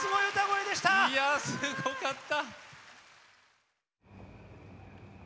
いやすごかった。